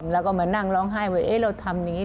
แล้วก็มานั่งร้องไห้ว่าเราทำอย่างนี้